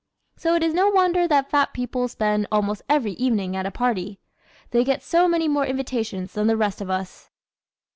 ¶ So it is no wonder that fat people spend almost every evening at a party. They get so many more invitations than the rest of us!